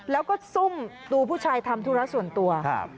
แล้วก็ซุ่มดูผู้ชายทำธุระส่วนตัวครับ